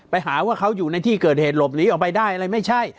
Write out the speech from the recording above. ไปหาว่าเขาอยู่ในที่เกิดเหตุหลบหนีออกไปได้อะไรไม่ใช่